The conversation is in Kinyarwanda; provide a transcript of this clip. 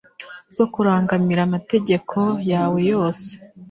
zo kurangamira amategeko yawe yose